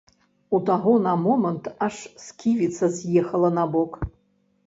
У таго на момант аж сківіца з'ехала набок.